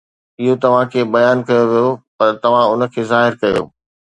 اهو توهان کي بيان ڪيو ويو، پر توهان ان کي ظاهر ڪيو.